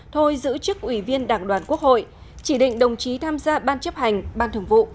thôi giữ chức ủy viên đảng đoàn quốc hội chỉ định đồng chí tham gia ban chấp hành ban thường vụ